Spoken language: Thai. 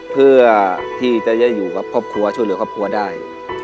เพื่อที่จะได้อยู่กับครอบครัวช่วยเหลือครอบครัวได้